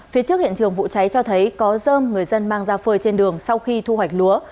phía trước hiện trường vụ cháy cho thấy có dơm người dân mang ra phơi trên đường sau khi thu hoạch lúa